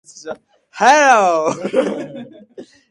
あいさつをしよう